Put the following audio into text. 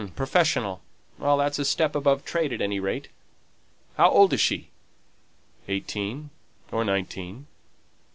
"Professional. That's a step above trade at any rate. How old is she?" "Eighteen or nineteen."